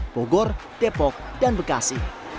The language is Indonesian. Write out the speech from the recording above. bogor depok dan bekasi